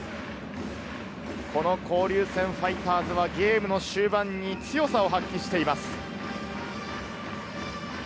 この交流戦、ファイターズはゲームの終盤に強さを発揮しています。